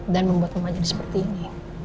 dan membuat mama jadi seperti ini